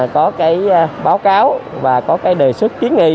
có cái báo cáo và có cái đề xuất kiến nghị